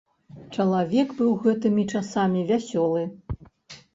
Чалавек быў гэтымі часамі вясёлы.